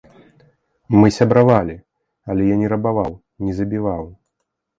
Мы сябравалі, але я не рабаваў, не забіваў.